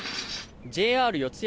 ＪＲ四ツ